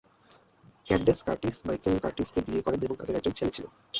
Candace Curtis Michael কার্টিসকে বিয়ে করেন এবং তাদের এক ছেলে ছিল।